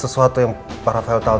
sesuatu yang para fail tahu